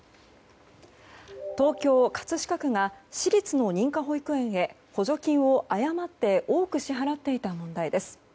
東京・葛飾区が私立の認可保育園へ補助金を誤って多く支払っていた問題です。